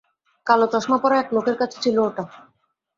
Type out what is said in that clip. কালো চশমা পরা এক লোকের কাছে ছিল ওটা।